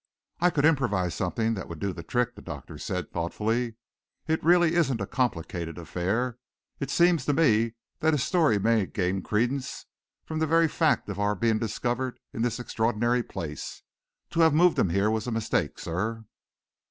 "I could improvise something that would do the trick," the doctor said thoughtfully. "It really isn't a complicated affair. It seems to me that his story may gain credence from the very fact of our being discovered in this extraordinary place. To have moved him here was a mistake, sir."